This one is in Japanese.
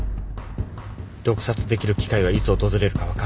毒殺できる機会はいつ訪れるか分からない。